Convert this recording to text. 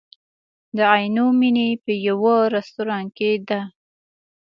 د عینومېنې په یوه رستورانت کې ده.